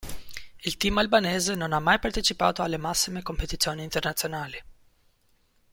Il team albanese non ha mai partecipato alle massime competizioni internazionali.